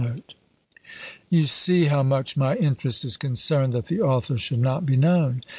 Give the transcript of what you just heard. You see how much my interest is concerned that the author should not be known!"